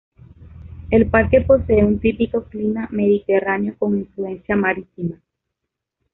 El parque posee un típico clima mediterráneo con influencia marítima.